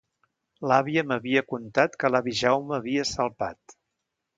L’àvia m’havia contat que l’avi Jaume havia salpat.